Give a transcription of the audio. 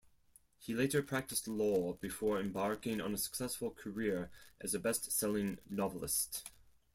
He later practiced law before embarking on a successful career as a best-selling novelist.